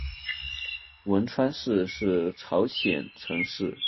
文川市是朝鲜城市。